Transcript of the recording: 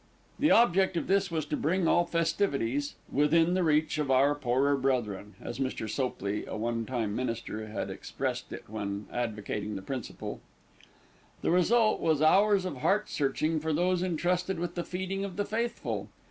The object of this was to bring all festivities "within reach of our poorer brethren," as Mr. Sopley, a one time minister, had expressed it when advocating the principle. The result was hours of heart searching for those entrusted with the feeding of the Faithful.